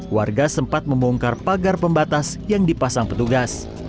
warga sempat membongkar pagar pembatas yang dipasang petugas